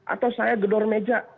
atau saya gedor meja